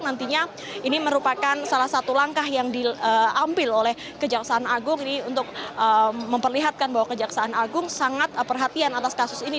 nantinya ini merupakan salah satu langkah yang diambil oleh kejaksaan agung ini untuk memperlihatkan bahwa kejaksaan agung sangat perhatian atas kasus ini